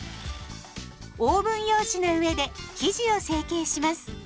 オーブン用紙の上で生地を成形します。